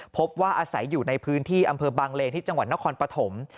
พบว่าอาศัยอยู่ในพื้นที่อำเภอบางเลนที่จังหวัดนครปฐม